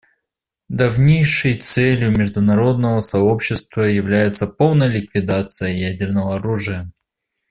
Давнишней целью международного сообщества является полная ликвидация ядерного оружия.